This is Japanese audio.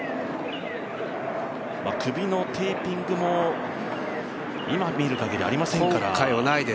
首のテーピングも今見るかぎりはありませんから。